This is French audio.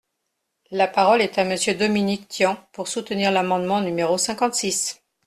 La parole est à Monsieur Dominique Tian, pour soutenir l’amendement numéro cinquante-six.